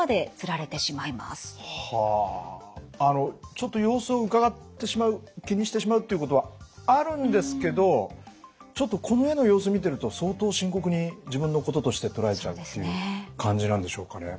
あのちょっと様子をうかがってしまう気にしてしまうっていうことはあるんですけどちょっとこの絵の様子見てると相当深刻に自分のこととして捉えちゃうっていう感じなんでしょうかね。